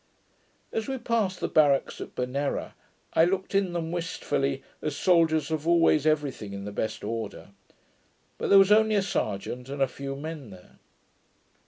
As we passed the barracks at Bernea, I looked at them wishfully, as soldiers have always every thing in the best order: but there was only a serjeant and a few men there.